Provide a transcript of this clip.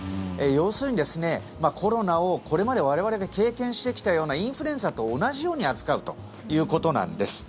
要するにコロナをこれまで我々が経験してきたようなインフルエンザと同じように扱うということなんです。